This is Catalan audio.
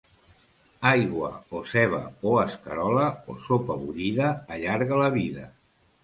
Aigua o ceba, o escarola, o sopa bullida allarga la vida.